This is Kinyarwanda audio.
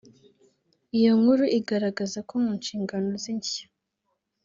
Iyo nkuru igaragaza ko mu nshingano ze nshya